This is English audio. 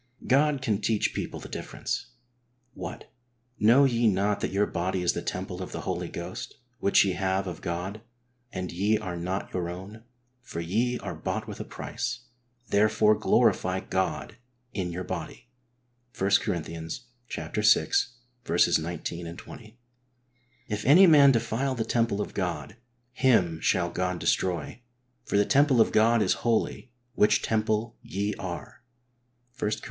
God can teach people the difference. " What, know ye not that your body is the temple of the Holy Ghost, which ye have of God, and ye are not your own ? For ye are bought with a price ; therefore glorify God in your body" (i Cor. vi. 19, 20). "If any man defile the temple of God, him shall God destroy ; for the temple of God is holy, which temple ye are" (i Cor.